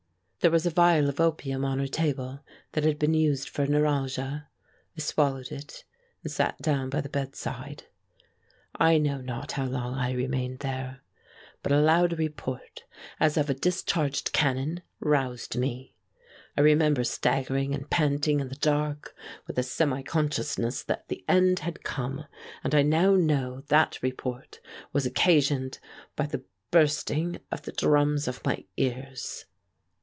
There was a vial of opium on her table that had been used for neuralgia; I swallowed it, and sat down by the bedside. I know not how long I remained there. But a loud report, as of a discharged cannon, roused me. I remember staggering and panting in the dark, with a semi consciousness that the end had come, and I now know that report was occasioned by the bursting of the drums of my ears.